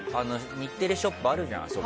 日テレショップあるじゃん。